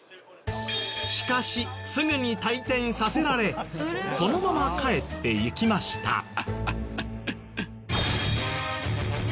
しかしすぐに退店させられそのまま帰っていきました。